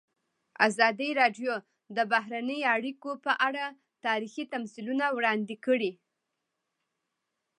ازادي راډیو د بهرنۍ اړیکې په اړه تاریخي تمثیلونه وړاندې کړي.